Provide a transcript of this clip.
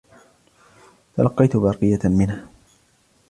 تلقيت برقية منها